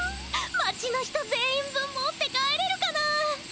町の人全員分持って帰れるかな？